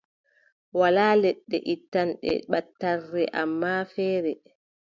Walaa leɗɗe ittanɗe ɓattarre, ammaa feere,